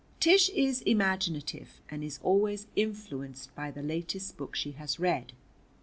Tish is imaginative, and is always influenced by the latest book she has read.